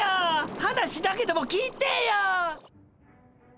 話だけでも聞いてぇや！